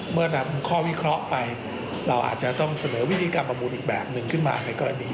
เมื่อนำข้อวิเคราะห์ไปเราอาจจะต้องเสนอวิธีการประมูลอีกแบบหนึ่งขึ้นมาในกรณี